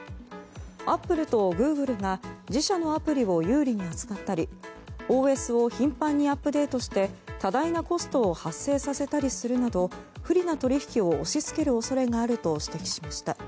アップルとグーグルが自社のアプリを有利に扱ったりＯＳを頻繁にアップデートして多大なコストを発生させたりするなど不利な取引を押し付ける恐れがあると指摘しました。